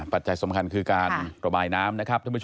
ปัจจัยสำคัญคือการระบายน้ำนะครับท่านผู้ชม